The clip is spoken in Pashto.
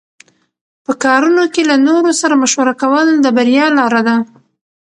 په کارونو کې له نورو سره مشوره کول د بریا لاره ده.